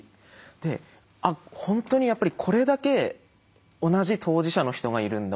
であっ本当にやっぱりこれだけ同じ当事者の人がいるんだ。